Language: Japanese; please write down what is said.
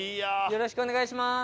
よろしくお願いします。